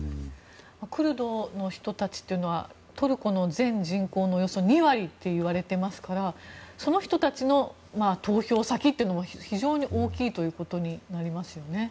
クルドの人たちというのはトルコの全人口のおよそ２割といわれていますからその人たちの投票先というのも非常に大きいということになりますよね。